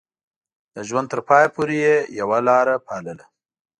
د ژوند تر پايه پورې يې يوه لاره پالله.